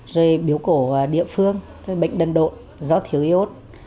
rồi biểu cổ địa phương rồi bệnh đần độ do thiếu iốt